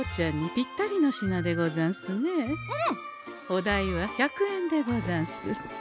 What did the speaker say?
お代は１００円でござんす。